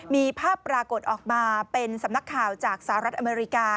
มีภาพปรากฏออกมาเป็นสำนักข่าวจากสหรัฐอเมริกา